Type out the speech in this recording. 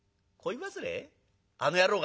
あの野郎が？